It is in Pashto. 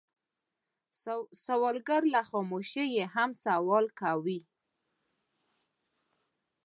سوالګر له خاموشۍ هم سوال کوي